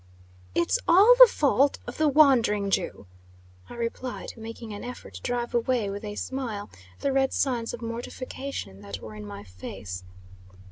"It's all the fault of the 'Wandering Jew!'" I replied, making an effort to drive away, with a smile, the red signs of mortification that were in my face.